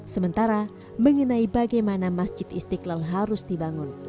sementara mengenai bagaimana masjid istiqlal harus dibangun